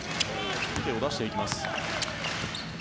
手を出していきます。